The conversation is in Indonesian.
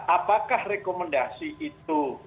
apakah rekomendasi itu